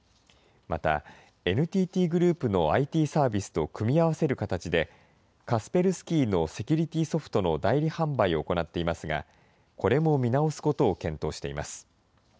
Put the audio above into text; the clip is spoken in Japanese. またＮＴＴグループのＩＴサービスと組み合わせる形で、カスペルスキーのセキュリティーソフトの代理販売を行っていますが、これも見直すことを検討しています。